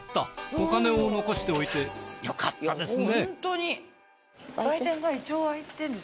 お金を残しておいてよかったですね。